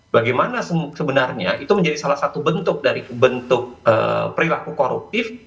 bagaimana sebenarnya itu menjadi salah satu bentuk dari bentuk perilaku koruptif